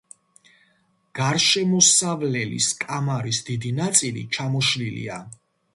გარშემოსავლელის კამარის დიდი ნაწილი ჩამოშლილია.